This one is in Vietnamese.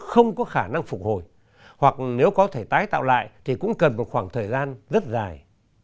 không có khả năng phục hồi hoặc nếu có thể tái tạo lại thì cũng cần một khoảng thời gian rất dài